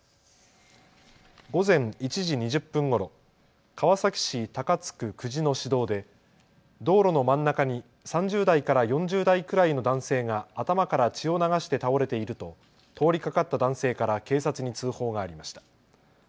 午前１時２０分ごろ、川崎市高津区久地の市道で道路の真ん中に３０代から４０代くらいの男性が頭から血を流して倒れていると通りかかった男性から警察に通報がありました。